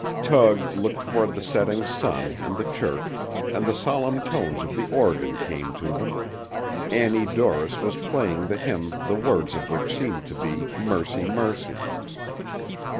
Tug looked toward the setting sun and the church, and the solemn tones of the organ came to them; Annie Dorris was playing the hymn the words of which seemed to be "Mercy! Mercy!"